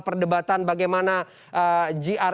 perdebatan bagaimana gr